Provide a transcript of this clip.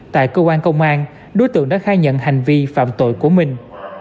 tại cơ quan công an đối tượng đã khai nhận hành vi phạm tội của mình